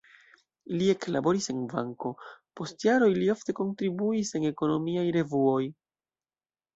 Li eklaboris en banko, post jaroj li ofte kontribuis en ekonomiaj revuoj.